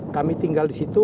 kami tinggal di situ